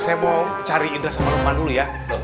saya mau cari indra sama rumah dulu ya